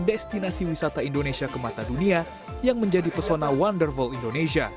destinasi wisata indonesia ke mata dunia yang menjadi pesona wonderful indonesia